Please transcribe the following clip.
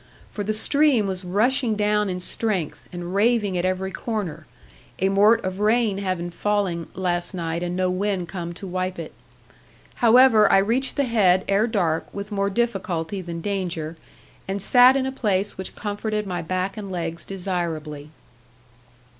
For the stream was rushing down in strength, and raving at every corner; a mort of rain having fallen last night and no wind come to wipe it. However, I reached the head ere dark with more difficulty than danger, and sat in a place which comforted my back and legs desirably.